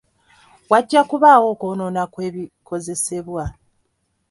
Wajja kubaawo okwonoona kw’ebikozesebwa.